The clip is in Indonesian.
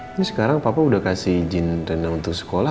ini sekarang papa udah kasih izin dana untuk sekolah